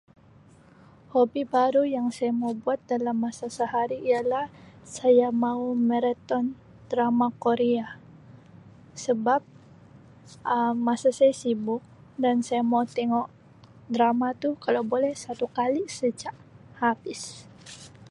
Hobi baru yang saya mau buat dalam masa sehari ialah saya mau maraton drama korea sebab Um masa saya sibuk dan saya mau tengok drama tu kalau boleh satu kali saja habis.